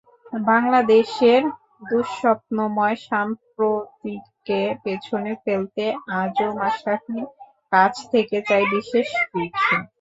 বাংলাদেশের দুঃস্বপ্নময় সাম্প্রতিককে পেছনে ফেলতে আজও মাশরাফির কাছ থেকে চাই বিশেষ কিছু।